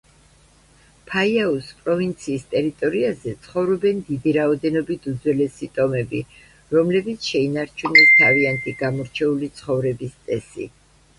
ფაიაუს პროვინციის ტერიტორიაზე ცხოვრობენ დიდი რაოდენობით უძველესი ტომები, რომლებიც შეინარჩუნეს თავიანთი გამორჩეული ცხოვრების წესი.